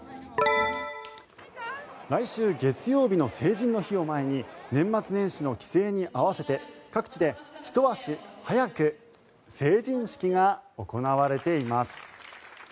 来週月曜日の成人の日を前に年末年始の帰省に合わせて各地でひと足早く成人式が行われています。